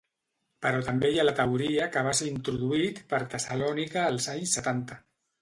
Però també hi ha la teoria que va ser introduït per Tessalònica els anys setanta.